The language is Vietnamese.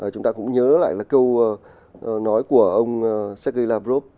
chúng ta cũng nhớ lại là câu nói của ông sergei lavrov